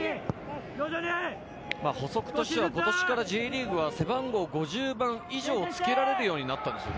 補足としては、今年からＪリーグは背番号５０番以上をつけられるようになったんですよね。